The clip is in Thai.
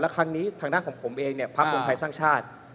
แล้วครั้งนี้ทางด้านของผมเองภาพรวมไทยสร้างชาติ